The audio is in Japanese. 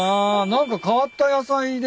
何か変わった野菜ですか？